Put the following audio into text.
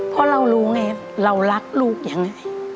เพราะเรารู้ไงเรารักลูกยังไง